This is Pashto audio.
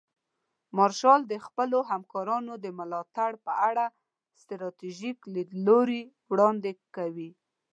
مارشال د خپلو همکارانو د ملاتړ په اړه ستراتیژیک لیدلوري وړاندې کوي.